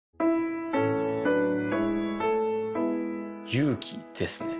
勇気ですね